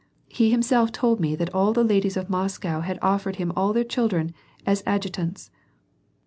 He himself told me that all the ladies of Moscow had offered him all their children as adjutants."